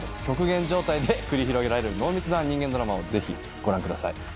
極限状態で繰り広げられる濃密な人間ドラマをぜひご覧ください。